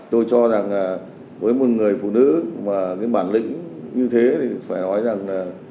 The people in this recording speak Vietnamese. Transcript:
tôi cho rằng với một người phụ nữ mà cái bản lĩnh như thế thì phải nói rằng là